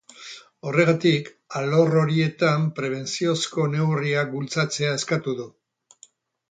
Horregatik, alor horietan prebentziozko neurriak bultzatzea eskatu du.